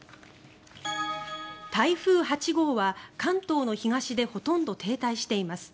台風８号は関東の東でほとんど停滞しています。